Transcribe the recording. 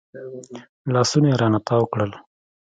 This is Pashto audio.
لاسونه يې رانه تاو کړل.